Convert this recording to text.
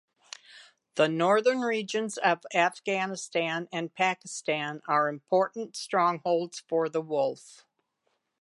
The northern regions of Afghanistan and Pakistan are important strongholds for the wolf.